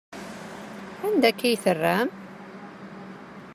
Anda akka i terram?